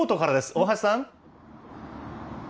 大橋さん。